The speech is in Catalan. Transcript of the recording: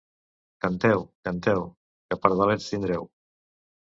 Canteu, canteu, que pardalets tindreu.